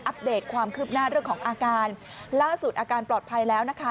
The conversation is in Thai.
เดตความคืบหน้าเรื่องของอาการล่าสุดอาการปลอดภัยแล้วนะคะ